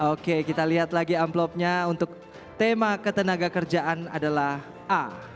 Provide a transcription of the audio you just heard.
oke kita lihat lagi amplopnya untuk tema ketenaga kerjaan adalah a